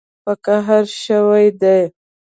په قهر شوي دي